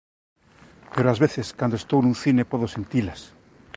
Pero ás veces cando estou nun cine podo sentilas".